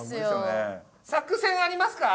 作戦ありますか？